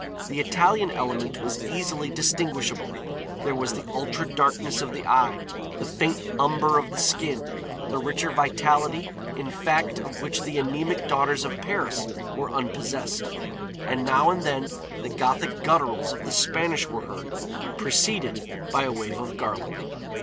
The Italian element was easily distinguishable. There was the ultra darkness of the eye, the faint umber of the skin, the richer vitality, in fact, of which the anemic daughters of Paris were unpossessed. And now and then the Gothic gutturals of the Spanish were heard, preceded by a wave of garlic.